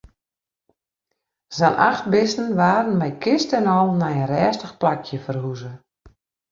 Sa'n acht bisten waarden mei kiste en al nei in rêstich plakje ferhuze.